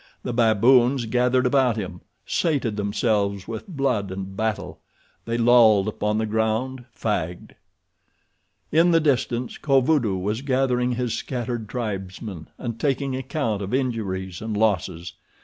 The baboons gathered about him, sated themselves with blood and battle. They lolled upon the ground, fagged. In the distance Kovudoo was gathering his scattered tribesmen, and taking account of injuries and losses.